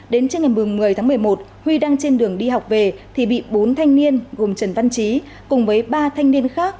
đến trưa ngày một mươi tháng một mươi một huy đang trên đường đi học về thì bị bốn thanh niên gồm trần văn trí cùng với ba thanh niên khác